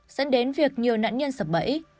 dẫn đến việc nhiều nạn nhân sập bẫy